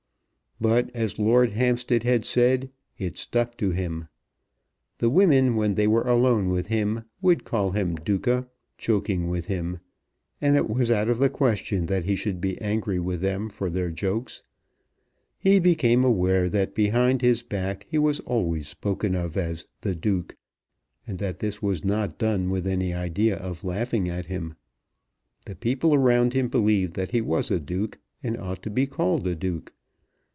But, as Lord Hampstead had said, "it stuck to him." The women when they were alone with him would call him Duca, joking with him; and it was out of the question that he should be angry with them for their jokes. He became aware that behind his back he was always spoken of as The Duke, and that this was not done with any idea of laughing at him. The people around him believed that he was a Duke and ought to be called a Duke.